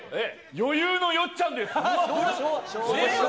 余裕のよっちゃんです。